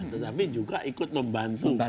tetapi juga ikut membantu